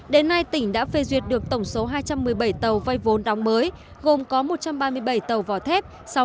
đến nay tỉnh đã phê duyệt được tổng số hai trăm một mươi bảy tàu vay vốn đóng mới gồm có một trăm ba mươi bảy tàu vỏ thép